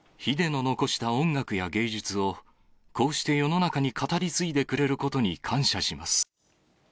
ｈｉｄｅの残した音楽や芸術を、こうして世の中に語り継いでくれることに感謝します。